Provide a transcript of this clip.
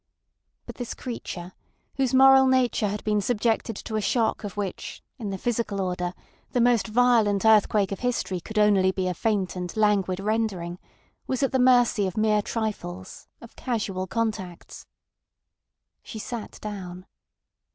But this creature, whose moral nature had been subjected to a shock of which, in the physical order, the most violent earthquake of history could only be a faint and languid rendering, was at the mercy of mere trifles, of casual contacts. She sat down.